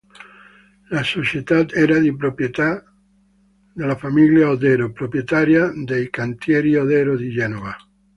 La società era di proprietà della famiglia Odero, proprietaria dei Cantieri Odero di Genova.